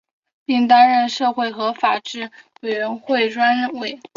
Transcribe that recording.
并担任社会和法制委员会专委。